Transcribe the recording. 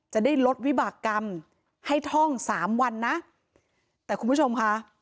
จะได้ลดวิบากรรมให้ท่องสามวันนะแต่คุณผู้ชมค่ะ